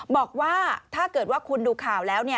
บอกว่าถ้าเกิดว่าคุณดูข่าวแล้ว